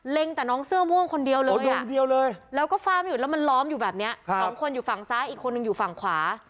แต่น้องเสื้อม่วงคนเดียวเลยลงเดียวเลยแล้วก็ฝ้าไม่อยู่แล้วมันล้อมอยู่แบบนี้สองคนอยู่ฝั่งซ้ายอีกคนนึงอยู่ฝั่งขวา